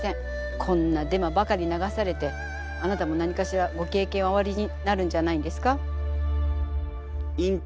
こんなデマばかり流されてあなたも何かしらご経験はおありになるんじゃないんですか？